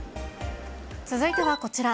続いてはこちら。